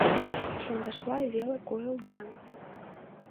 Шондашла веле койылда.